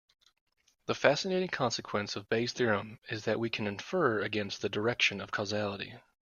The fascinating consequence of Bayes' theorem is that we can infer against the direction of causality.